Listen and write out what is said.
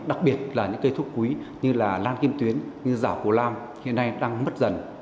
đặc biệt là những cây thuốc quý như là lan kim tuyến như giảo cổ lam hiện nay đang mất dần